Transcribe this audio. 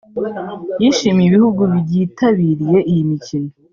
yashimiye ibihugu byitabiriye iyi mikino